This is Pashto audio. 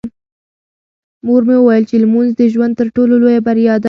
مور مې وویل چې لمونځ د ژوند تر ټولو لویه بریا ده.